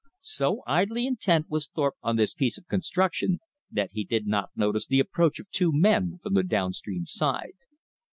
So idly intent was Thorpe on this piece of construction that he did not notice the approach of two men from the down stream side.